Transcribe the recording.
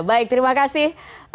baik terima kasih